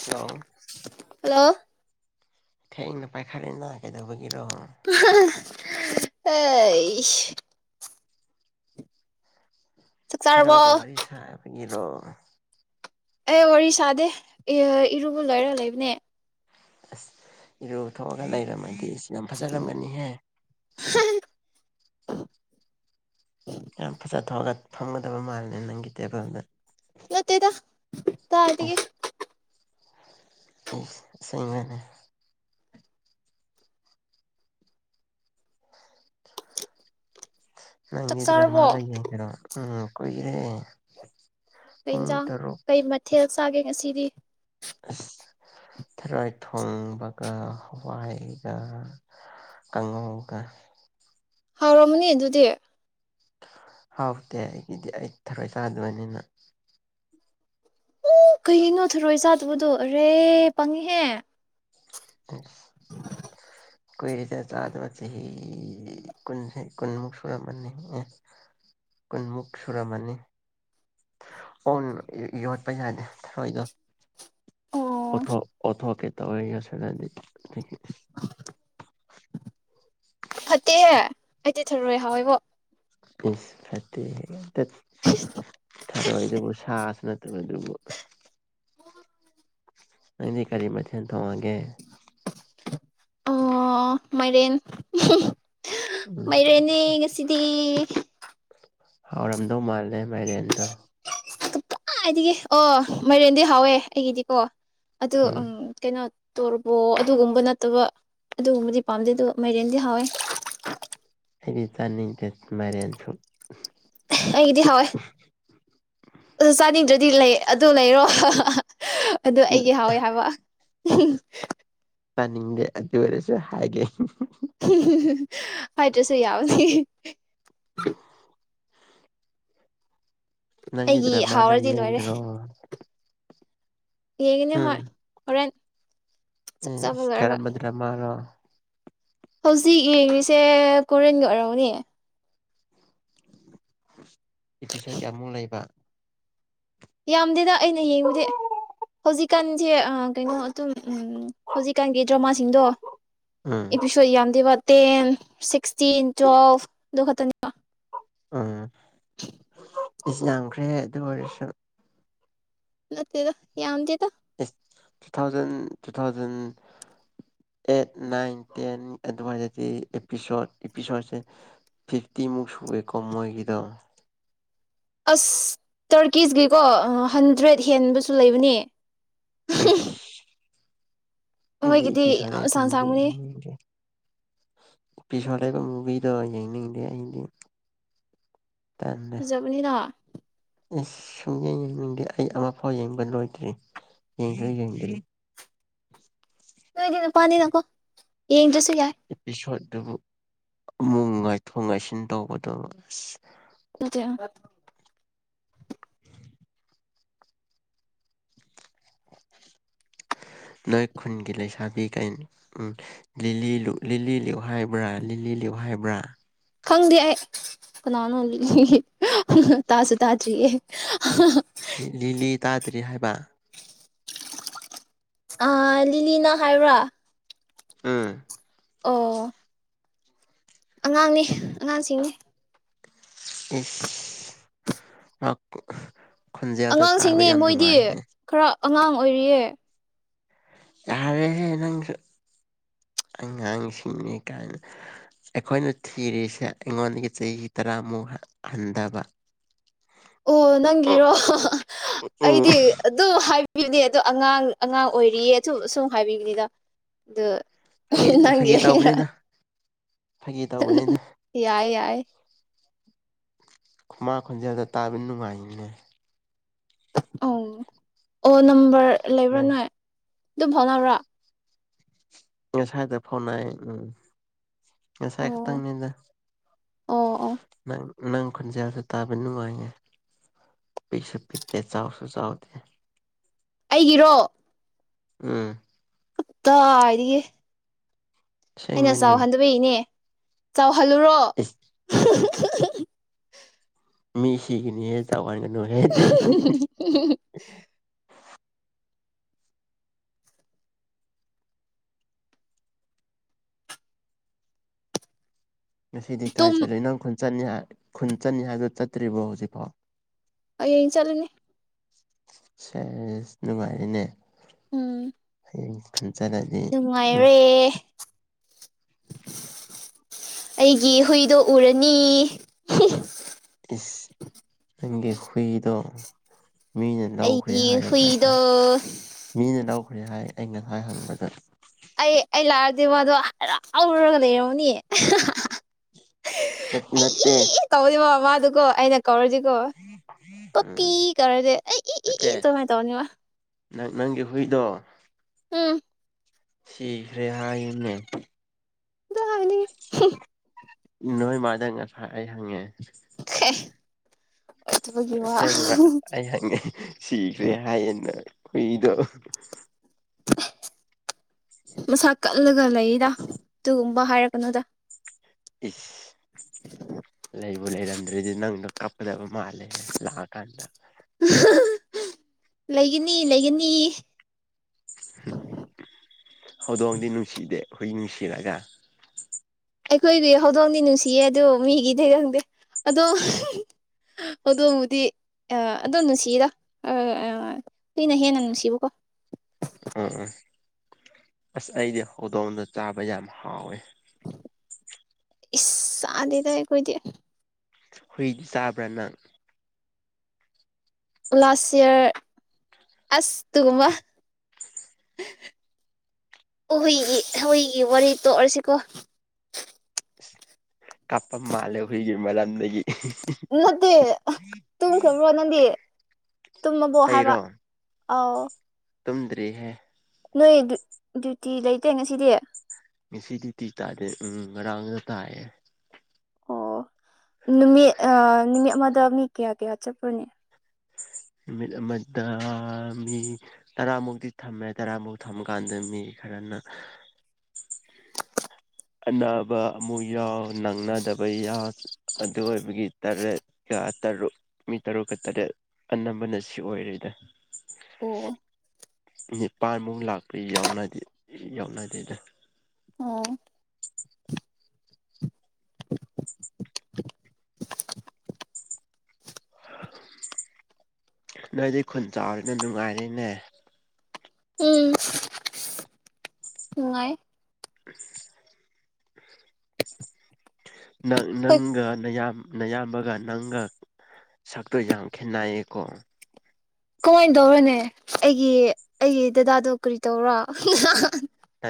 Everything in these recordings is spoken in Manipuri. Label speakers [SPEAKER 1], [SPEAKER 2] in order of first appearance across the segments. [SPEAKER 1] ꯍꯜꯂꯣ
[SPEAKER 2] ꯍꯜꯂꯣ
[SPEAKER 1] ꯊꯦꯡꯅ ꯄꯥꯏꯈꯠꯂꯦꯅ ꯀꯩꯗꯧꯕꯒꯤꯔꯣ
[SPEAKER 2] ꯑ ꯍ ꯑꯦ ꯆꯥꯔꯕꯣ
[SPEAKER 1] ꯍꯦꯔꯣꯒ ꯋꯥꯔꯤ ꯁꯥꯕꯅꯤꯂꯣ
[SPEAKER 2] ꯑꯩ ꯋꯥꯔꯤ ꯁꯥꯗꯦ ꯏꯑ ꯏꯔꯨꯕ ꯂꯣꯏꯔ ꯂꯩꯕꯅꯦ
[SPEAKER 1] ꯑꯁ ꯏꯔꯨ ꯊꯣꯛꯑꯒ ꯂꯩꯔꯝꯃꯗꯤ ꯌꯥꯝ ꯐꯖꯔꯝꯒꯅꯤꯍꯦ ꯌꯥꯝ ꯐꯖ ꯊꯣꯑꯒ ꯐꯝꯒꯗꯕ ꯃꯥꯜꯂꯦ ꯅꯪꯒꯤ ꯇꯦꯕꯜꯗ
[SPEAKER 2] ꯅꯠꯇꯦꯗ ꯇꯥꯏꯗꯒꯤ
[SPEAKER 1] ꯐꯨꯜꯅꯦ
[SPEAKER 2] ꯆꯥꯛ
[SPEAKER 1] ꯅꯪꯒꯤ ꯗ꯭ꯔꯃꯥ
[SPEAKER 2] ꯆꯥꯔꯕꯣ
[SPEAKER 1] ꯅ ꯌꯦꯡꯗ꯭ꯔꯣ ꯑ ꯑꯈꯣꯢꯒꯤ ꯌꯦꯡꯗꯦ
[SPEAKER 2] ꯀꯩ ꯏꯟꯖꯥꯡ ꯀꯩ ꯃꯊꯦꯜ ꯆꯥꯒꯦ ꯉꯁꯤꯗꯤ
[SPEAKER 1] ꯑꯁ ꯊꯔꯣꯏ ꯊꯣꯡꯕꯒ ꯍꯋꯥꯏꯒ ꯀꯪꯉꯧꯒ
[SPEAKER 2] ꯍꯥꯎꯔꯝꯅꯤ ꯑꯗꯨꯗꯤ
[SPEAKER 1] ꯍꯥꯎꯇꯦ ꯑꯩꯒꯤꯗꯤ ꯑꯩ ꯊꯔꯣꯏ ꯆꯥꯗꯕꯅꯤꯅ
[SPEAKER 2] ꯎ ꯀꯩꯒꯤꯅꯣ ꯊꯔꯣꯏ ꯆꯥꯗꯕꯗꯨ ꯑꯥꯔꯦ ꯄꯪꯉꯤꯍꯦ
[SPEAKER 1] ꯑꯁ ꯀꯨꯏꯔꯦꯗ ꯆꯥꯗꯕ ꯆꯍꯤ ꯀꯨꯟꯁꯤ ꯀꯨꯟꯃꯨꯛ ꯁꯨꯔꯝꯃꯅꯤ ꯑꯦ ꯀꯨꯟꯃꯨꯛ ꯁꯨꯔꯝꯃꯅꯤ ꯑꯣꯟ ꯌꯣ ꯌꯣꯠꯄ ꯌꯥꯗꯦ ꯊꯔꯣꯏꯗꯣ
[SPEAKER 2] ꯑꯣ
[SPEAKER 1] ꯑꯣꯊꯣꯛ ꯑꯣꯊꯣꯛꯀꯦ ꯇꯧꯋꯦ ꯌꯦꯁꯤꯜꯂꯗꯤ ꯗꯨꯒꯤ
[SPEAKER 2] ꯐꯠꯇꯦꯍꯦ ꯑꯩ ꯗꯤ ꯊꯔꯣꯏ ꯍꯥꯎꯋꯦꯕꯣ
[SPEAKER 1] ꯏꯁ ꯐꯠꯇꯦꯑꯦ ꯇꯠ ꯊꯔꯣꯏꯗꯕꯨ ꯁꯥꯁꯨ ꯅꯠ ꯅꯠꯇꯕ ꯗꯨꯕꯨ ꯅꯪꯗꯤ ꯀꯔꯤ ꯃꯊꯦꯜ ꯊꯣꯡꯉꯒꯦ
[SPEAKER 2] ꯑꯣ ꯃꯥꯏꯔꯦꯟ
[SPEAKER 1] ꯎꯝ
[SPEAKER 2] ꯃꯥꯏꯔꯦꯟꯅꯦ ꯉꯁꯤꯗꯤ
[SPEAKER 1] ꯍꯥꯎꯔꯝꯗꯧ ꯃꯥꯜꯂꯦ ꯃꯥꯏꯔꯦꯟꯗꯣ
[SPEAKER 2] ꯀꯠꯗꯥꯏꯗꯒꯤ ꯑꯣ ꯃꯥꯏꯔꯦꯟꯗꯤ ꯍꯥꯎꯋꯦ ꯑꯩꯒꯤꯗꯤꯀꯣ ꯑꯗꯨ ꯎꯝ ꯀꯩꯅꯣ ꯇꯣꯔꯕꯣ ꯑꯗꯨꯒꯨꯝꯕ ꯅꯠꯇꯕ ꯑꯗꯨꯒꯨꯝꯕꯗꯤ ꯄꯥꯝꯗꯦ ꯗꯨ ꯃꯥꯏꯔꯦꯟꯗꯤ ꯍꯥꯎꯋꯦ
[SPEAKER 1] ꯑꯩꯗꯤ ꯆꯥꯅꯤꯡꯗꯦ ꯃꯥꯏꯔꯦꯟꯁꯨ
[SPEAKER 2] ꯑꯩꯒꯤꯗꯤ ꯍꯥꯎꯋꯦ ꯑꯁ ꯆꯥꯅꯤꯡꯗ꯭ꯔꯗꯤ ꯂꯩ ꯑꯗꯨ ꯂꯩꯔꯣ ꯑꯗꯨ ꯑꯩꯗꯤ ꯍꯥꯎꯋꯦ ꯍꯥꯏꯕ
[SPEAKER 1] ꯆꯅꯤꯡꯗꯦ ꯑꯗꯨ ꯑꯣꯏꯔꯁ ꯍꯥꯏꯒꯦ
[SPEAKER 2] ꯍꯥꯏꯇ꯭ꯔꯁꯨ ꯌꯥꯕꯅꯦ
[SPEAKER 1] ꯅꯪꯗꯤ
[SPEAKER 2] ꯑꯩꯒꯤ
[SPEAKER 1] ꯗ꯭ꯔꯥꯃꯥꯒ
[SPEAKER 2] ꯍꯥꯎꯔꯗꯤ ꯂꯣꯏꯔꯦ
[SPEAKER 1] ꯌꯦꯡꯗꯔꯣ
[SPEAKER 2] ꯌꯦꯡꯒꯅꯤ ꯍꯣꯏ ꯍꯣꯔꯦꯟ ꯆꯥꯛ ꯆꯥꯕ
[SPEAKER 1] ꯏꯁ
[SPEAKER 2] ꯂꯣꯏꯔꯒ
[SPEAKER 1] ꯀꯔꯝꯕ ꯗ꯭ꯔꯥꯃꯥꯅꯣ
[SPEAKER 2] ꯍꯧꯖꯤꯛ ꯌꯦꯡꯔꯤꯁꯦ ꯀꯣꯔꯤꯌꯟꯒꯤ ꯑꯣꯏꯔꯝꯒꯅꯤ
[SPEAKER 1] ꯏꯄꯤꯁꯣꯠ ꯀꯌꯥꯃꯨꯛ ꯂꯩꯕ
[SPEAKER 2] ꯌꯥꯝꯗꯦꯗ ꯑꯩꯅ ꯌꯦꯡꯕꯗꯤ ꯍꯧꯖꯤꯛꯀꯥꯟꯁꯦ ꯑꯥ ꯀꯩꯅꯣ ꯑꯗꯨꯝ ꯎꯝ ꯍꯧꯖꯤꯛꯀꯥꯟꯒꯤ ꯗ꯭ꯔꯃꯥꯁꯤꯡꯗꯣ
[SPEAKER 1] ꯎꯝ
[SPEAKER 2] ꯑꯦꯄꯤꯁꯣꯠ ꯌꯥꯝꯗꯦꯕ ꯇꯦꯟ ꯁꯤꯛꯁꯇꯤꯟ ꯇꯨꯋꯦꯜꯚ ꯑꯗꯨ ꯈꯛꯇꯪꯅꯦꯕ
[SPEAKER 1] ꯑꯝ ꯏꯁ ꯌꯥꯝꯈ꯭ꯔꯦ ꯑꯗꯨ ꯑꯣꯏꯔꯁꯨ
[SPEAKER 2] ꯅꯠꯇꯦꯗ ꯌꯥꯝꯗꯦꯗ
[SPEAKER 1] ꯏꯁ two thousand two thousand eight nine ten ꯑꯗꯨꯋꯥꯏꯗꯗꯤ ꯑꯦꯄꯤꯁꯣꯠ ꯏꯄꯤꯁꯣꯠꯁꯦ ꯐꯤꯞꯇꯤꯃꯨꯛ ꯁꯨꯋꯦꯀꯣ ꯃꯣꯏꯒꯤꯗꯣ
[SPEAKER 2] ꯑꯁ ꯇꯔꯀꯤꯁꯀꯤꯀꯣ ꯑꯥ ꯍꯟꯗ꯭ꯔꯦꯗ ꯍꯦꯟꯕꯁꯨ ꯂꯩꯕꯅꯦ
[SPEAKER 1] ꯑꯩꯁ ꯑꯩꯗꯤ
[SPEAKER 2] ꯃꯣꯏꯒꯤꯗꯤ
[SPEAKER 1] ꯏꯄꯤꯁꯣꯗ
[SPEAKER 2] ꯌꯥꯝ
[SPEAKER 1] ꯑꯩꯠ
[SPEAKER 2] ꯁꯥꯡ ꯁꯥꯡꯕꯅꯤ
[SPEAKER 1] [unintelligible] ꯏꯄꯤꯁꯣꯠ ꯂꯩꯕ ꯃꯨꯚꯤꯗꯣ ꯌꯦꯡꯅꯤꯡꯗꯦ ꯑꯩꯗꯤ
[SPEAKER 2] ꯐꯖꯕꯒꯤꯔ
[SPEAKER 1] ꯑꯦꯁ ꯁꯨꯝ ꯌꯦꯡꯉꯦꯡꯗꯦ ꯑꯩ ꯑꯃꯐꯥꯎ ꯌꯦꯡꯕ ꯂꯣꯏꯗ꯭ꯔꯤ ꯌꯦꯡꯁꯨ ꯌꯦꯡꯗ꯭ꯔꯤ [inaudible]
[SPEAKER 2] ꯅꯣꯏꯗꯤ ꯅꯨꯄꯥꯅꯤꯅꯀꯣ ꯌꯦꯗ꯭ꯔꯁꯨ
[SPEAKER 1] ꯑꯦꯄꯤꯁꯣꯠꯗꯨꯕꯨ ꯑꯃꯨꯛ ꯉꯥꯏꯊꯣꯛ ꯉꯥꯏꯁꯤꯟ ꯇꯧꯕꯗꯨ ꯑꯁ
[SPEAKER 2] ꯅꯠꯇꯦ ꯑꯥ
[SPEAKER 1] [unintelligible] ꯅꯣꯏ ꯈꯨꯟꯒꯤ ꯂꯩꯁꯥꯕꯤ ꯀꯩ ꯎꯝ ꯂꯤꯂꯤ ꯂꯤꯂꯤ ꯂꯨꯏ ꯍꯥꯏꯕ꯭ꯔꯥ ꯂꯤꯂꯤ ꯂꯨꯏ ꯍꯥꯏꯕ꯭ꯔꯥ
[SPEAKER 2] ꯈꯪꯗꯦ ꯑꯩ ꯀꯅꯥꯅꯣ ꯇꯥꯁꯨ ꯇꯥꯗ꯭ꯔꯤꯌꯦ
[SPEAKER 1] ꯂꯤꯂꯤ ꯇꯥꯗ꯭ꯔꯤ ꯍꯥꯏꯕ
[SPEAKER 2] ꯑꯥ ꯂꯤꯂꯤꯅ ꯍꯥꯏꯕ꯭ꯔꯥ
[SPEAKER 1] ꯎꯝ
[SPEAKER 2] ꯑꯣ ꯑꯉꯥꯡꯅꯦ ꯑꯉꯥꯡꯁꯤꯡꯅꯦ
[SPEAKER 1] [unintelligible] ꯇꯥꯕ
[SPEAKER 2] ꯑꯉꯥꯡꯁꯤꯡꯅꯦ
[SPEAKER 1] ꯌꯥꯝ
[SPEAKER 2] ꯃꯣꯏꯗꯤ
[SPEAKER 1] ꯅꯨꯡꯉꯥꯏꯅꯦ
[SPEAKER 2] ꯈꯔ ꯑꯉꯥꯡ ꯑꯣꯏꯔꯤꯌꯦ
[SPEAKER 1] ꯌꯥꯔꯦꯍꯦ ꯅꯪꯁꯨ ꯑꯉꯥꯡꯁꯤꯡꯅꯤ ꯀꯥꯏꯅ ꯑꯩꯈꯣꯏꯅ ꯊꯤꯔꯤꯁꯦ ꯑꯩꯉꯣꯟꯗꯒꯤ ꯆꯍꯤ ꯇꯔꯥꯃꯨꯛ ꯍꯟ ꯍꯟꯗꯕ
[SPEAKER 2] ꯑꯣ ꯅꯪꯒꯤꯔꯣ ꯑꯩꯗꯤ ꯑꯗꯨꯝ ꯍꯥꯏꯕꯤꯌꯨꯅꯦ ꯑꯗꯣ ꯑꯉꯥꯡ ꯑꯉꯥꯡ ꯑꯣꯏꯔꯤꯌꯦ ꯑꯗꯨ ꯁꯨꯝ ꯍꯥꯏꯕꯤꯕꯅꯤꯗ ꯑꯗꯣ
[SPEAKER 1] ꯐꯥꯒꯤ ꯐꯥꯒꯤ
[SPEAKER 2] ꯅꯪꯒꯤꯔ
[SPEAKER 1] ꯇꯧꯕꯅꯤꯗ ꯐꯥꯒꯤ ꯇꯧꯕꯅꯤꯗ
[SPEAKER 2] [unintelligible] ꯌꯥꯏ ꯌꯥꯏ
[SPEAKER 1] ꯈꯨꯃꯥ ꯈꯣꯟꯖꯦꯜꯗꯣ ꯇꯥꯕ ꯅꯨꯡꯉꯥꯏꯅꯦ
[SPEAKER 2] ꯑꯪ ꯑꯣ ꯅꯝꯕꯔ ꯂꯩꯕ꯭ꯔꯥ
[SPEAKER 1] ꯅꯪ
[SPEAKER 2] ꯅꯣꯏ ꯑꯗꯨꯝ ꯐꯥꯎꯅꯕ꯭ꯔꯥ
[SPEAKER 1] ꯉꯁꯥꯏꯗ ꯐꯥꯎꯅꯩ ꯎꯝ ꯉꯁꯥꯏ
[SPEAKER 2] ꯑꯣ
[SPEAKER 1] ꯈꯛꯇꯪꯅꯤꯗ
[SPEAKER 2] ꯑꯣ ꯑꯣ
[SPEAKER 1] ꯅꯪ ꯅꯪ ꯈꯨꯟꯖꯦꯜꯁꯦ ꯇꯥꯕ ꯅꯨꯡꯉꯥꯏꯌꯦ ꯄꯤꯁ ꯄꯤꯛꯇꯦ ꯆꯥꯎꯁꯨ ꯆꯥꯎꯗꯦ
[SPEAKER 2] ꯑꯩꯒꯤꯔꯣ
[SPEAKER 1] ꯎꯝ
[SPEAKER 2] ꯀꯗꯥꯏꯗꯒꯤ ꯑꯩꯅ
[SPEAKER 1] ꯑꯁꯦꯡꯕꯅꯦ
[SPEAKER 2] ꯆꯥꯎꯍꯟꯗꯕꯩꯅꯦ ꯆꯥꯎꯍꯜꯂꯨꯔꯣ
[SPEAKER 1] ꯏꯁ ꯃꯤ ꯁꯤꯒꯤꯅꯤꯍꯦ ꯆꯥꯎꯍꯟꯒꯅꯨꯍꯦ ꯑꯗꯨꯗꯤ ꯉꯁꯤꯗꯤ ꯀꯥꯏ
[SPEAKER 2] ꯇꯨꯝ
[SPEAKER 1] ꯆꯠꯂꯤꯅꯣ ꯈꯨꯟ ꯆꯠꯅꯤ ꯍꯥꯏ ꯈꯨꯟ ꯆꯠꯅꯤ ꯍꯥꯏꯕꯗꯨ ꯆꯠꯇ꯭ꯔꯤꯕꯣ ꯍꯧꯖꯤꯛꯐꯥꯎ
[SPEAKER 2] ꯍꯌꯦꯡ ꯆꯠꯂꯅꯤ
[SPEAKER 1] ꯁꯦꯁ ꯅꯨꯡꯉꯥꯏꯔꯦꯅꯦ
[SPEAKER 2] ꯎꯝ
[SPEAKER 1] [unintelligible] ꯎꯝ
[SPEAKER 2] ꯅꯨꯡꯉꯥꯏꯔꯦ
[SPEAKER 1] [inaudible]
[SPEAKER 2] ꯑꯩꯒꯤ ꯍꯨꯏꯗꯣ ꯎꯔꯅꯤ
[SPEAKER 1] ꯏꯁ ꯅꯪꯒꯤ ꯍꯨꯏꯗꯣ ꯃꯤꯅ ꯂꯧꯈ꯭ꯔꯦ
[SPEAKER 2] ꯑꯩꯒꯤ
[SPEAKER 1] ꯍꯥꯏꯌꯦ
[SPEAKER 2] ꯍꯨꯏꯗꯣ
[SPEAKER 1] ꯉꯁꯥꯏ ꯃꯤꯅ ꯂꯧꯈ꯭ꯔꯦ ꯅꯦ ꯍꯥꯏ ꯑꯩꯅ ꯉꯁꯥꯏ ꯍꯪꯕꯗ
[SPEAKER 2] ꯑꯩ ꯑꯩ ꯂꯥꯛꯑꯗꯤ ꯃꯥꯗꯣ ꯍꯔꯥꯎꯔꯒ ꯂꯩꯔꯝꯃꯅꯤ
[SPEAKER 1] ꯅꯠꯇꯦ ꯅꯠꯇꯦ
[SPEAKER 2] ꯑꯗꯨꯀꯣ ꯑꯩꯅ ꯀꯧꯔꯗꯤꯀꯣ ꯄꯄꯤ
[SPEAKER 1] ꯎꯝ
[SPEAKER 2] ꯀꯧꯔꯗꯤ ꯑꯩ ꯏ
[SPEAKER 1] ꯅꯠꯇꯦ
[SPEAKER 2] ꯏ ꯑꯗꯨꯃꯥꯏꯅ ꯇꯧꯅꯤꯕ
[SPEAKER 1] ꯅꯪ ꯅꯪꯒꯤ ꯍꯨꯏꯗꯣ
[SPEAKER 2] ꯎꯝ
[SPEAKER 1] ꯁꯤꯈ꯭ꯔꯦ ꯍꯥꯏꯅꯦ
[SPEAKER 2] ꯑꯗꯨ ꯍꯥꯏꯅꯨ
[SPEAKER 1] ꯅꯣꯏ ꯃꯥꯗ ꯉꯁꯥꯏ ꯑꯩ ꯍꯪꯉꯦ
[SPEAKER 2] [inaudible] ꯋꯥ
[SPEAKER 1] ꯑꯁꯦꯡꯕ ꯑꯩ ꯍꯪꯉꯦ ꯁꯤꯈ꯭ꯔꯦ ꯍꯥꯏꯌꯦꯅ ꯍꯨꯏꯗꯣ
[SPEAKER 2] ꯃꯁꯥ ꯀꯜꯂꯒ ꯂꯩꯗ ꯑꯗꯨꯒꯨꯝꯕ ꯍꯥꯏꯔꯛꯀꯅꯨꯗ
[SPEAKER 1] ꯏ ꯂꯩꯕꯨ ꯂꯩꯔꯝꯗ꯭ꯔꯗꯤ ꯅꯪꯗꯣ ꯀꯞꯀꯗꯕ ꯃꯥꯂꯦ ꯂꯥꯛꯑ ꯀꯥꯟꯗ
[SPEAKER 2] ꯂꯩꯒꯅꯤ ꯂꯩꯒꯅꯤ
[SPEAKER 1] ꯍꯧꯗꯣꯡꯗꯤ ꯅꯨꯡꯁꯤꯗꯦ ꯍꯨꯏ ꯁꯤꯔꯒ
[SPEAKER 2] ꯑꯈꯣꯏꯒꯤ ꯍꯧꯗꯣꯡꯗꯤ ꯅꯨꯡꯁꯤꯌꯦ ꯑꯗꯨ ꯃꯤꯒꯤ ꯗꯤ ꯈꯪꯗꯦ ꯍꯧꯗꯣꯡꯕꯨꯗꯤ ꯑꯗꯨꯝ ꯅꯨꯡꯁꯤꯔ ꯍꯨꯏꯅ ꯍꯦꯟꯅ ꯅꯨꯡꯁꯤꯕꯀꯣ
[SPEAKER 1] ꯎꯝ ꯎꯝ ꯑꯁ ꯑꯩꯗꯤ ꯍꯧꯗꯣꯡꯗꯣ ꯆꯥꯕ ꯌꯥꯝ ꯍꯥꯎꯋꯦ
[SPEAKER 2] ꯏꯁ ꯆꯥꯗꯦꯗ ꯈꯣꯏꯗꯤ
[SPEAKER 1] ꯍꯨꯏꯗꯤ ꯆꯥꯕ꯭ꯔꯥ ꯅꯪ
[SPEAKER 2] ꯂꯥꯁ ꯏꯌꯥꯔ ꯑꯁ ꯑꯗꯨꯒꯨꯝꯕ
[SPEAKER 1] [inaudible]
[SPEAKER 2] ꯍꯨꯏꯒꯤ ꯍꯨꯏꯒꯤ ꯋꯥꯔꯤ ꯇꯣꯛꯑꯁꯤꯀꯣ
[SPEAKER 1] ꯀꯥꯞꯄ ꯃꯥꯜꯂꯦ ꯍꯨꯏꯒꯤ ꯃꯔꯝꯗꯒꯤ
[SPEAKER 2] ꯅꯠꯇꯦ ꯇꯨꯝꯈ꯭ꯔꯕ꯭ꯔꯣ ꯅꯪꯗꯤ ꯇꯨꯝꯃꯕꯣ ꯍꯥꯏꯕ
[SPEAKER 1] ꯑꯩꯔꯣ
[SPEAKER 2] ꯑꯥꯎ
[SPEAKER 1] ꯇꯨꯝꯗ꯭ꯔꯤꯍꯦ
[SPEAKER 2] ꯅꯣꯏ ꯗ꯭ꯌꯨꯇꯤ ꯂꯩꯇꯦ ꯉꯁꯤꯗꯤ
[SPEAKER 1] ꯉꯁꯤꯗꯤꯇꯤ ꯗ꯭ꯌꯨꯇꯤ ꯇꯥꯗꯦ ꯎꯝ ꯉꯥꯔꯥꯡꯗ ꯇꯥꯏꯌꯦ
[SPEAKER 2] ꯑꯣ ꯅꯨꯃꯤꯠ ꯅꯨꯃꯤꯠ ꯑꯃꯗ ꯃꯤ ꯀꯌꯥ ꯀꯌꯥ ꯆꯠꯄꯅꯦ
[SPEAKER 1] ꯅꯨꯃꯤꯠ ꯑꯃꯗ ꯃꯤ ꯇꯔꯥꯃꯨꯛ ꯊꯝꯃꯦ ꯇꯔꯥꯃꯨꯛ ꯊꯝꯃꯀꯥꯟꯗ ꯃꯤ ꯐꯖꯅ ꯑꯅꯥꯕ ꯑꯃꯨꯛ ꯌꯥꯎ ꯅꯪꯅꯗꯕ ꯌꯥꯎ ꯑꯗꯨ ꯑꯣꯏꯕꯒꯤ ꯇꯔꯦꯠ ꯇꯔꯨꯛ ꯃꯤ ꯇꯔꯨꯛꯀ ꯇꯔꯦꯠ ꯑꯅꯝꯕꯅ ꯁꯤ ꯑꯣꯏꯔꯦꯗ
[SPEAKER 2] ꯑꯣ
[SPEAKER 1] ꯅꯤꯄꯥꯜꯃꯨꯛ ꯂꯥꯛꯄ ꯌꯥꯎꯅꯗꯦ ꯌꯥꯎꯅꯗꯦꯗ
[SPEAKER 2] ꯑꯣ
[SPEAKER 1] ꯅꯣꯏꯗꯤ ꯈꯨꯟ ꯆꯥꯎꯔꯦꯅ ꯅꯨꯡꯉꯥꯏꯔꯦꯅꯦ
[SPEAKER 2] ꯎꯝ ꯅꯨꯡꯉꯥꯏ
[SPEAKER 1] [inaudible] ꯅꯪꯪ
[SPEAKER 2] ꯍꯣꯏ
[SPEAKER 1] ꯅꯪꯒ ꯅꯌꯥꯝ ꯅꯌꯥꯝꯕꯒ ꯅꯪꯒ ꯁꯛꯇꯣ ꯌꯥꯝ ꯈꯦꯠꯅꯩꯌꯦꯀꯣ
[SPEAKER 2] ꯀꯃꯥꯏꯅ ꯇꯧꯔꯅꯦ ꯑꯩꯒꯤ ꯑꯩꯒꯤ ꯗꯗꯥꯗꯣ ꯀꯔꯤ ꯇꯧꯔ
[SPEAKER 1] ꯅ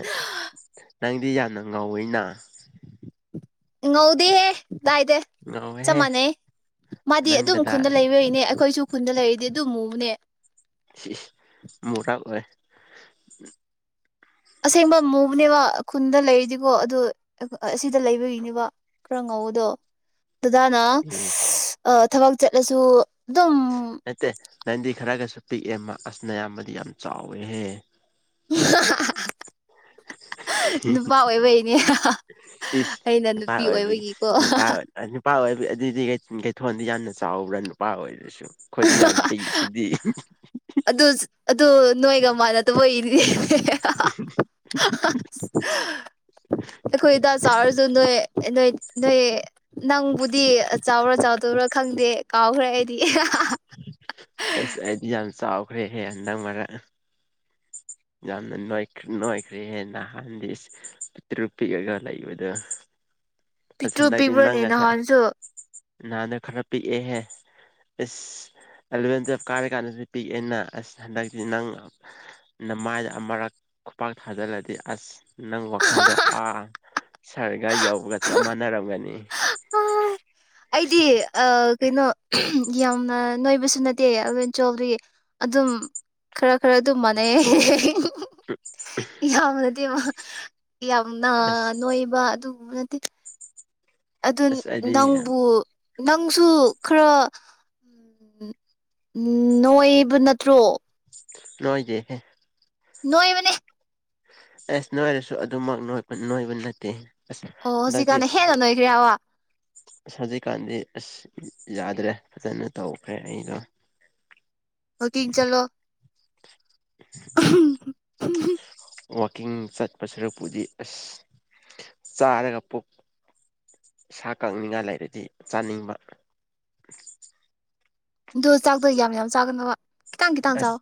[SPEAKER 1] ꯅꯪꯗꯤ ꯌꯥꯝꯅ ꯉꯧꯋꯤꯅ
[SPEAKER 2] ꯉꯧꯗꯤꯍꯦ ꯗꯥꯏꯗ ꯆꯞ
[SPEAKER 1] ꯉꯧꯋꯦꯍꯦ
[SPEAKER 2] ꯃꯥꯟꯅꯩ ꯃꯥꯗꯤ
[SPEAKER 1] ꯅꯪ
[SPEAKER 2] ꯑꯗꯨꯝ
[SPEAKER 1] ꯗꯗꯥ
[SPEAKER 2] ꯈꯨꯟꯗ ꯂꯩꯕꯩꯏꯅꯦ ꯑꯈꯣꯏꯁꯨ ꯈꯨꯟꯗ ꯂꯩꯔꯗꯤ ꯑꯗꯨꯝꯃꯨꯕꯅꯦ
[SPEAKER 1] ꯏꯁ ꯃꯨꯔꯛ ꯑꯣꯏ
[SPEAKER 2] ꯑꯁꯦꯡꯕ ꯃꯨꯕꯅꯦꯕ ꯈꯨꯟꯗ ꯂꯩꯔꯤꯗꯤꯀꯣ ꯑꯗꯨ ꯑꯁꯤꯗ ꯂꯩꯕꯒꯤꯅꯦꯕ ꯈꯔ ꯉꯧꯕꯗꯣ ꯗꯗꯥꯅ
[SPEAKER 1] ꯏꯁ
[SPEAKER 2] ꯊꯕꯛ ꯑꯥ ꯆꯠꯂꯁꯨ ꯑꯗꯨꯝ
[SPEAKER 1] ꯅꯠꯇꯦ ꯅꯟꯗꯤ ꯈꯔꯒꯁꯨ ꯄꯤꯛꯑꯦ ꯑꯃ ꯑꯁ ꯅꯌꯥꯝꯕꯗꯤ ꯌꯥꯝ ꯆꯥꯎꯋꯦꯍꯦ ꯍꯤ
[SPEAKER 2] ꯅꯨꯄꯥ ꯑꯣꯏꯕꯩꯅꯦ
[SPEAKER 1] ꯏꯁ
[SPEAKER 2] ꯑꯩꯅ
[SPEAKER 1] ꯅꯨꯄꯥ
[SPEAKER 2] ꯅꯨꯄꯤ
[SPEAKER 1] ꯑꯣꯏꯕꯒꯤ
[SPEAKER 2] ꯑꯣꯏꯕꯒꯤꯀꯣ
[SPEAKER 1] ꯅꯨꯄꯥ ꯅꯨꯄꯥ ꯑꯣꯏꯕꯒꯤ ꯑꯗꯨꯏꯗꯤ ꯀꯩꯊꯣꯟꯗꯤ ꯌꯥꯝꯅ ꯆꯥꯎꯕ꯭ꯔꯥ ꯅꯨꯄꯥ ꯑꯣꯏꯔꯁꯨ ꯑꯈꯣꯏꯗꯤ ꯌꯥꯝ ꯄꯤꯛ ꯁꯤꯗꯤ
[SPEAKER 2] ꯑꯗꯨ ꯑꯗꯨ ꯅꯣꯏꯒ ꯃꯥꯅꯗꯕꯩ ꯅꯦ
[SPEAKER 1] [inaudible]
[SPEAKER 2] ꯑꯈꯣꯏ ꯗꯥ ꯆꯥꯎꯔꯁꯨ ꯅꯣꯏ ꯅꯣꯏ ꯅꯣꯏ ꯅꯪꯕꯨꯗꯤ ꯆꯥꯎꯔ ꯆꯥꯎ ꯑꯗꯨꯔ ꯈꯪꯗꯦ ꯀꯥꯎꯈ꯭ꯔꯦ ꯑꯩꯗꯤ
[SPEAKER 1] ꯑꯁ ꯑꯩꯗꯤ ꯌꯥꯝ ꯆꯥꯎꯈ꯭ꯔꯦꯍꯦ ꯍꯟꯗꯛ ꯃꯔꯛ ꯌꯥꯝꯅ ꯅꯣꯏꯈ꯭ꯔꯦꯍꯦ ꯅꯍꯥꯟꯗꯤ ꯄꯤꯛꯇ꯭ꯔꯨ ꯄꯤꯛꯑꯒ ꯂꯩꯕꯗꯣ ꯑꯁ
[SPEAKER 2] ꯄꯤꯛꯇ꯭ꯔꯨ
[SPEAKER 1] ꯍꯟꯗꯗꯤ ꯅꯪ
[SPEAKER 2] ꯄꯤꯛꯄ꯭ꯔꯅꯦ
[SPEAKER 1] ꯒꯁꯦ
[SPEAKER 2] ꯅꯍꯥꯟꯁꯨ
[SPEAKER 1] ꯅꯍꯥꯟꯅ ꯈꯔ ꯄꯤꯛꯑꯦꯍꯦ ꯏꯁ ꯑꯦꯂꯚꯦꯟ ꯇꯨꯌꯦꯜꯞ ꯀꯥꯔꯀꯥꯟꯗꯁꯨ ꯄꯤꯛ ꯑꯦꯅ ꯑꯁ ꯍꯟꯗꯛꯇꯤ ꯅꯪ ꯅꯃꯥꯏꯗ ꯑꯃꯨꯔꯛ ꯈꯨꯄꯥꯛ ꯊꯥꯖꯤꯜꯂꯗꯤ ꯑꯁ ꯅꯪ ꯋꯥꯈꯜꯗꯣ ꯑꯥ ꯁꯥꯔꯒꯥ ꯌꯧꯒꯅꯤ ꯆꯞ ꯃꯥꯅꯔꯝꯒꯅꯤ
[SPEAKER 2] ꯑꯩꯗꯤ ꯑ ꯀꯩꯅꯣ ꯌꯥꯝꯅ ꯅꯣꯏꯕꯁꯨ ꯅꯠꯇꯦ ꯑꯦꯂꯚꯦꯟ ꯇꯨꯌꯦꯜꯞ ꯇꯒꯤ ꯑꯗꯨꯝ ꯈꯔ ꯈꯔ ꯑꯗꯨꯝ ꯃꯥꯟꯅꯩꯌꯦ ꯌꯥꯝ ꯅꯠꯇꯦꯕ ꯌꯥꯝꯅ
[SPEAKER 1] ꯑꯁ
[SPEAKER 2] ꯅꯣꯏꯕ ꯑꯗꯨꯒꯨꯝꯕ ꯅꯠꯇꯦ ꯑꯗꯨ
[SPEAKER 1] ꯑꯁ ꯑꯩꯗꯤ
[SPEAKER 2] ꯅꯪꯕꯨ ꯅꯪꯁꯨ ꯈꯔ ꯎꯝ ꯎꯝ ꯅꯣꯏꯕ ꯅꯠꯇ꯭ꯔꯣ
[SPEAKER 1] ꯅꯣꯏꯗꯦꯍꯦ
[SPEAKER 2] ꯅꯣꯏꯕꯅꯦ
[SPEAKER 1] ꯑꯁ ꯅꯣꯏꯔꯁꯨ ꯑꯗꯨꯃꯛ ꯅꯣꯏꯕ ꯅꯣꯢꯕ ꯅꯠꯇꯦ ꯑꯁ
[SPEAKER 2] ꯑꯣ
[SPEAKER 1] ꯍꯟꯗꯛꯇꯤ
[SPEAKER 2] ꯍꯧꯖꯤꯛꯀꯥꯟꯅ ꯍꯦꯟꯅ ꯅꯣꯏꯈ꯭ꯔꯦ ꯍꯥꯢꯕ
[SPEAKER 1] ꯍꯧꯖꯤꯛꯀꯥꯟꯗꯤ ꯑꯁ ꯌꯥꯗ꯭ꯔꯦ ꯐꯖꯅ ꯇꯧꯈ꯭ꯔꯦ ꯑꯩꯗꯣ
[SPEAKER 2] ꯋꯥꯀꯤꯡ ꯆꯠꯂꯣ
[SPEAKER 1] [inaudible]
[SPEAKER 2] ꯎꯝ
[SPEAKER 1] ꯋꯥꯛꯀꯤꯡ ꯆꯠꯄ ꯁꯔꯨꯛꯄꯨꯗꯤ ꯑꯁ ꯆꯥꯔꯒ ꯄꯨꯛ ꯏꯁꯥ ꯀꯪꯅꯤꯡꯉꯥꯏ ꯂꯩꯔꯗꯤ ꯆꯥꯅꯤꯡꯕ
[SPEAKER 2] ꯆꯖꯒꯅꯣ
[SPEAKER 1] ꯑꯁ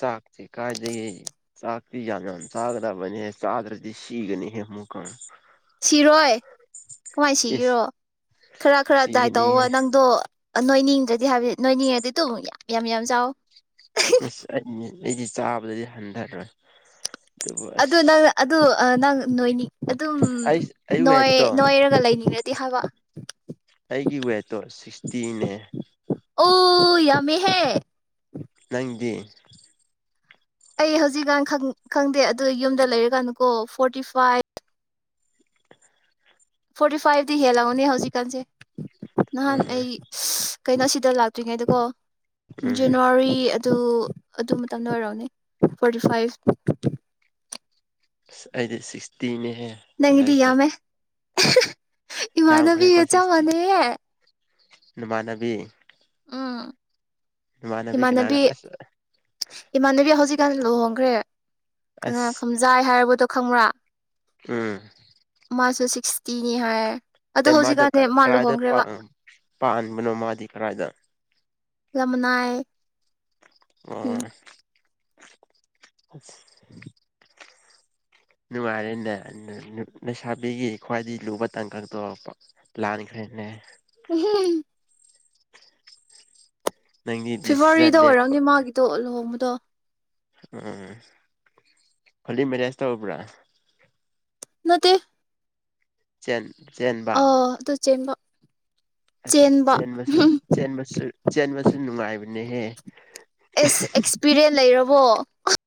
[SPEAKER 1] ꯆꯥꯛꯇꯤ ꯀꯥꯏꯗꯒꯤ ꯆꯥꯛꯇꯤ ꯌꯥꯝ ꯌꯥꯝ ꯆꯒꯗꯕꯅꯦ ꯆꯥꯗ꯭ꯔꯗꯤ ꯁꯤꯒꯅꯤ ꯍꯦ ꯑꯃꯨꯛꯀ
[SPEAKER 2] ꯁꯤꯔꯣꯏ ꯀꯃꯥꯏ
[SPEAKER 1] ꯏꯁ
[SPEAKER 2] ꯁꯤꯒꯦꯔꯣ ꯈꯔ ꯈꯔ ꯗꯥꯏꯠ ꯇꯧꯋꯣ
[SPEAKER 1] ꯁꯤꯒꯅꯤꯍꯦ
[SPEAKER 2] ꯅꯪꯗꯣ ꯅꯣꯏꯅꯤꯡꯗ꯭ꯔꯗꯤ ꯍꯥꯏꯕꯅꯦ ꯅꯣꯏꯅꯤꯡꯉꯗꯤ ꯇꯨ ꯌꯥꯝ ꯌꯥꯝ ꯆꯥꯎꯋꯣ
[SPEAKER 1] ꯑꯁ ꯑꯩꯅꯦ ꯑꯩꯗꯤ ꯆꯥꯕꯗꯗꯤ ꯍꯟꯙꯔꯣꯏ
[SPEAKER 2] ꯑꯗꯨ ꯅꯪ ꯑꯗꯨ ꯅꯪ ꯅꯣꯏ ꯑꯗꯨꯝ
[SPEAKER 1] ꯑꯩ ꯑꯩ
[SPEAKER 2] ꯅꯣꯢ
[SPEAKER 1] ꯋꯦꯠꯇꯣ
[SPEAKER 2] ꯅꯣꯏꯔꯒ ꯂꯩꯅꯤꯡ ꯇꯤ ꯍꯥꯏꯕ
[SPEAKER 1] ꯑꯩꯒꯤ ꯋꯦꯠꯇꯣ ꯁꯤꯛꯁꯇꯤꯅꯦ
[SPEAKER 2] ꯑꯣ ꯌꯥꯝꯃꯦꯍꯦ
[SPEAKER 1] ꯅꯪꯗꯤ
[SPEAKER 2] ꯑꯩ ꯍꯧꯖꯤꯛꯀꯥꯟ ꯈꯪꯗꯦ ꯑꯗꯨ ꯌꯨꯝꯗ ꯂꯩꯔꯀꯥꯟꯗꯀꯣ ꯐꯣꯔꯇꯤ ꯐꯥꯏꯚ ꯐꯣꯔꯇꯤ ꯐꯥꯏꯚꯇꯤ ꯍꯦꯜꯂꯝꯒꯅꯤ ꯍꯧꯖꯤꯛꯀꯥꯟꯁꯦ ꯅꯍꯥꯟ ꯑꯩ
[SPEAKER 1] ꯎꯝ
[SPEAKER 2] ꯀꯩꯅꯣ ꯁꯤꯗ ꯂꯥꯛꯇ꯭ꯔꯤꯉꯩꯗꯀꯣ
[SPEAKER 1] ꯎꯝ
[SPEAKER 2] ꯖꯅꯋꯥꯔꯤ ꯇꯨ ꯑꯗꯨ ꯃꯇꯝꯗ ꯑꯣꯏꯔꯝꯅꯤ ꯐꯣꯔꯇꯤ ꯐꯥꯏꯐ
[SPEAKER 1] ꯑꯁ ꯑꯩꯗꯤ ꯁꯤꯛꯁꯇꯤꯅꯦꯍꯦ
[SPEAKER 2] ꯅꯪꯒꯤꯗꯤ
[SPEAKER 1] ꯍꯟꯗꯛꯁꯦ
[SPEAKER 2] ꯌꯥꯝꯃꯦ ꯏꯃꯥꯟꯅꯕꯤꯒ
[SPEAKER 1] ꯌꯥꯝꯈ꯭ꯔꯦꯀꯣ
[SPEAKER 2] ꯆꯞ
[SPEAKER 1] ꯁꯤꯛꯁꯇꯤ
[SPEAKER 2] ꯃꯥꯟꯅꯩꯌꯦ
[SPEAKER 1] ꯅꯃꯥꯟꯅꯕꯤ
[SPEAKER 2] ꯎꯝ
[SPEAKER 1] ꯅꯄꯥꯟꯅꯕꯤ ꯀꯅꯥꯔ
[SPEAKER 2] ꯏꯃꯥꯟꯅꯕꯤ
[SPEAKER 1] ꯑꯁ
[SPEAKER 2] ꯏꯃꯥꯟꯅꯕꯤ ꯍꯧꯖꯤꯛꯀꯥꯟ ꯂꯨꯍꯣꯡꯈ꯭ꯔꯦ ꯀꯅꯥ
[SPEAKER 1] ꯑꯁ
[SPEAKER 2] ꯈꯝꯖꯥꯏ ꯍꯥꯏꯕꯗꯣ ꯈꯪꯕ꯭ꯔꯥ
[SPEAKER 1] ꯎꯝ
[SPEAKER 2] ꯃꯥꯁꯨ ꯁꯤꯛꯁꯇꯤꯅꯤ ꯍꯥꯏ ꯑꯗꯣ
[SPEAKER 1] ꯑꯦ ꯃꯥꯗꯣ
[SPEAKER 2] ꯍꯧꯖꯤꯛꯀꯥꯟꯗꯤ ꯃꯥ
[SPEAKER 1] ꯀꯗꯥꯏꯗ
[SPEAKER 2] ꯂꯨꯍꯣꯡꯈ꯭ꯔꯦꯕ
[SPEAKER 1] ꯄꯥꯟ ꯄꯥꯟꯕꯅꯣ ꯃꯥꯗꯤ ꯀꯔꯥꯏꯗ
[SPEAKER 2] ꯂꯝꯃꯅꯥꯏ
[SPEAKER 1] ꯑꯣ ꯅꯨꯡꯉꯥꯏꯔꯦꯅꯦ ꯂꯩꯁꯥꯕꯤꯒꯤ ꯈ꯭ꯋꯥꯏꯗꯒꯤ ꯂꯨꯕ ꯇꯥꯡꯀꯛꯇꯣ ꯂꯥꯟꯈ꯭ꯔꯦ ꯅꯦ
[SPEAKER 2] ꯎꯝꯍꯝ
[SPEAKER 1] ꯅꯪꯒꯤ ꯗꯤꯁꯤꯖꯟ
[SPEAKER 2] ꯐꯦꯕꯋꯥꯔꯤꯗ
[SPEAKER 1] ꯂꯦꯞꯄ
[SPEAKER 2] ꯑꯣꯏꯔꯝꯅꯦ ꯃꯥꯒꯤꯗꯣ ꯂꯨꯍꯣꯡꯕꯗꯣ
[SPEAKER 1] ꯎꯝ ꯍꯣꯜꯂꯤ ꯃꯦꯔꯦꯖ ꯇꯧꯕ꯭ꯔꯥ
[SPEAKER 2] ꯅꯠꯇꯦ
[SPEAKER 1] ꯆꯦꯟ ꯆꯦꯟꯕ
[SPEAKER 2] ꯑꯥ ꯑꯗꯨ ꯆꯦꯟꯕ
[SPEAKER 1] ꯑꯁ
[SPEAKER 2] ꯆꯦꯟꯕ
[SPEAKER 1] ꯆꯦꯟꯕꯁꯨ ꯆꯦꯟꯕꯁꯨ ꯆꯦꯟꯕꯁꯨ ꯅꯨꯡꯉꯥꯏꯕꯅꯦꯍꯦ
[SPEAKER 2] ꯑꯦꯁ ꯑꯦꯛꯁꯄꯤꯔꯤꯌꯦꯟꯁ ꯂꯩꯔꯕꯣ